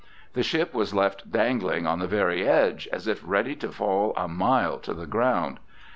The ship was left dangling on the very edge as if ready to fall a mile to the ground.